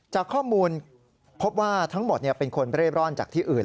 จากข้อมูลพบว่าทั้งหมดเป็นคนเร่ร่อนจากที่อื่น